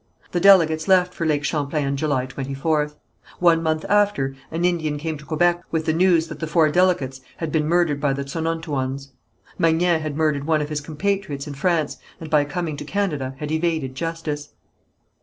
The delegates left for Lake Champlain on July 24th. One month after, an Indian came to Quebec with the news that the four delegates had been murdered by the Tsonnontouans. Magnan had murdered one of his compatriots in France, and by coming to Canada had evaded justice.